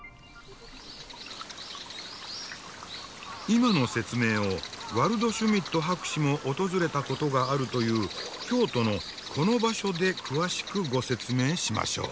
今の説明をワルドシュミット博士も訪れたことがあるという京都のこの場所で詳しくご説明しましょう。